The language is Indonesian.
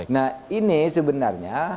nah ini sebenarnya